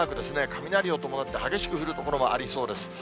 雷を伴って激しく降る所もありそうです。